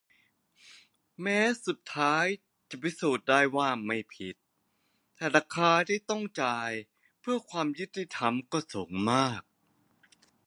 แม้สุดท้ายจะพิสูจน์ได้ว่าไม่ผิด แต่ราคาที่ต้องจ่ายเพื่อความยุติธรรมก็สูงมาก